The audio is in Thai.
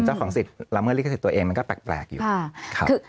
เจ้าของสิทธิ์ละเมิดลิขสิทธิ์ตัวเองมันก็แปลกอยู่ครับ